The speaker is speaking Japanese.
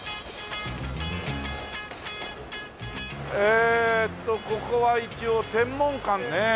えとここは一応天文館ねえ。